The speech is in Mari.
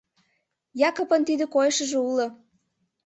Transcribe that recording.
— Якыпын тиде койышыжо уло!